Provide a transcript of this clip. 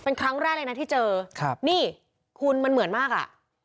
เป็นครั้งแรกเลยนะที่เจอครับนี่คุณมันเหมือนมากอ่ะ